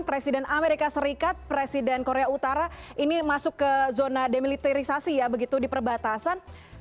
presiden amerika serikat presiden korea utara ini masuk ke zona demilitarisasi ya begitu di perbatasan